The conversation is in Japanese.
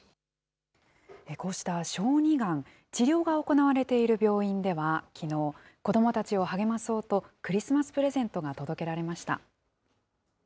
こうした小児がん、治療が行われている病院では、きのう、子どもたちを励まそうと、クリスマスプレゼントが届けられました。